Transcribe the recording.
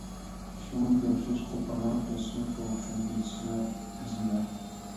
شۇڭا، گەپ-سۆز قوپالراق كەتسىمۇ توغرا چۈشەنگەيسىزلەر، ئەزىزلەر!